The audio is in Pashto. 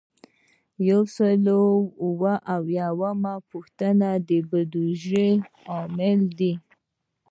یو سل او اووه اویایمه پوښتنه د بودیجې عامل دی.